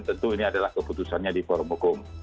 tentu ini adalah keputusannya di forum hukum